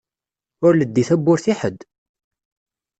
Ur leddi tawwurt i ḥedd!